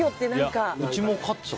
うちも飼ってた。